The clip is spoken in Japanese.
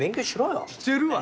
してるわ！